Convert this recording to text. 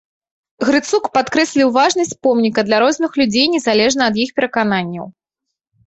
Грыцук падкрэсліў важнасць помніка для розных людзей незалежна ад іх перакананняў.